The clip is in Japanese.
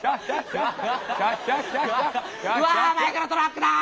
うわ前からトラックだ！